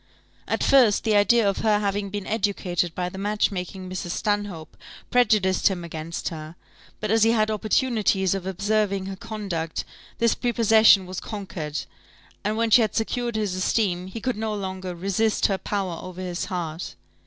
At first, the idea of her having been educated by the match making Mrs. Stanhope prejudiced him against her; but as he had opportunities of observing her conduct, this prepossession was conquered, and when she had secured his esteem, he could no longer resist her power over his heart.